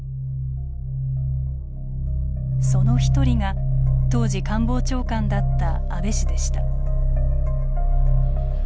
その一人が当時官房長官だった安倍氏でした。